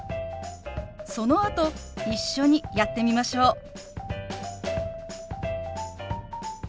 そのあと一緒にやってみましょう。